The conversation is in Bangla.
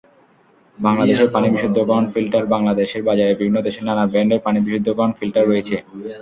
বাংলাদেশে পানি বিশুদ্ধকরণ ফিল্টারবাংলাদেশের বাজারের বিভিন্ন দেশের নানা ব্র্যান্ডের পানি বিশুদ্ধকরণ ফিল্টার রয়েছে।